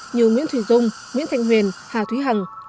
như nguyễn thùy dung nguyễn thanh huyền hà thúy hằng